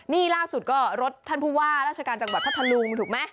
นี่ล่าสุดก็รถท่านผู้ว่าราชการจังหวัดพัทธลุงถูกไหม